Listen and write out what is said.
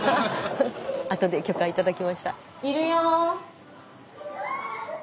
あとで許可頂きました。